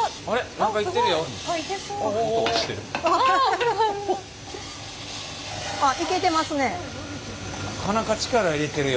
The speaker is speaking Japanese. なかなか力入れてるよ。